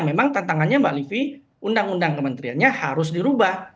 memang tantangannya mbak livi undang undang kementeriannya harus dirubah